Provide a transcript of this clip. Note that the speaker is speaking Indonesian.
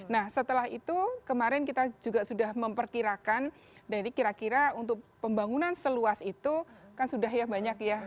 nah setelah itu kemarin kita juga sudah memperkirakan dari kira kira untuk pembangunan seluas itu kan sudah ya banyak ya